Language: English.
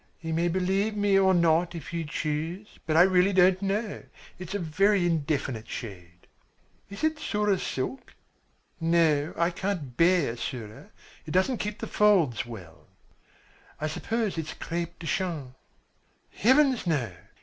"You may believe me or not if you choose, but really I don't know. It's a very indefinite shade." "Is it Sura silk?" "No, I can't bear Sura. It doesn't keep the folds well." "I suppose it is crêpe de Chine?" "Heavens, no!